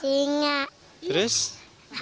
karena dia dipegangi sama petugasnya